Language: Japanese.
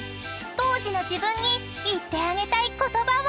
［当時の自分に言ってあげたい言葉は？］